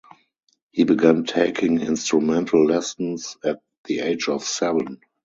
He began taking instrumental lessons at the age of seven.